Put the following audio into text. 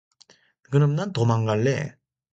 그럼 난 도망갈래